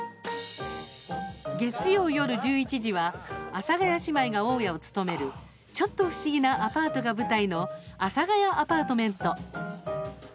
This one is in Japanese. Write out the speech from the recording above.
月曜夜１１時は阿佐ヶ谷姉妹が大家を務めるちょっと不思議なアパートが舞台の「阿佐ヶ谷アパートメント」。